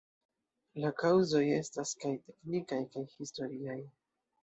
La kaŭzoj estas kaj teknikaj kaj historiaj.